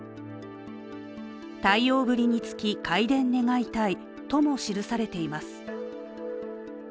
対応ぶりにつき回電願いたいとも記されています。